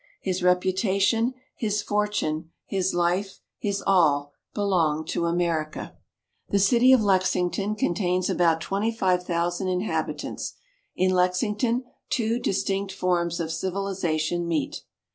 His reputation, his fortune, his life, his all, belonged to America. The city of Lexington contains about twenty five thousand inhabitants. In Lexington two distinct forms of civilization meet.